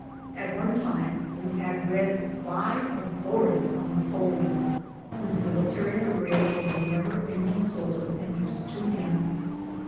At one time we had read five author ities on Napoleon, whose military career was a never ending source of interest to him.